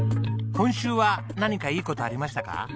今週は何かいい事ありましたか？